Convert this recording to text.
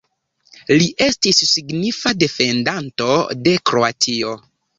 Li estis signifa defendanto de Kroatio.